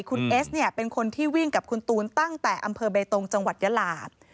คุณเอสเนี่ยเป็นคนที่วิ่งกับคุณตูนตั้งแต่อำเภอเบตงจังหวัดยาลา